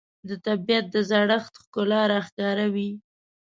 د طبیعت د زړښت ښکلا راښکاره وي